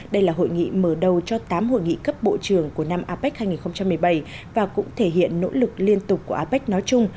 đây là hội nghị mở đầu cho tám hội nghị cấp bộ trưởng của năm apec hai nghìn một mươi bảy và cũng thể hiện nỗ lực liên tục của apec nói chung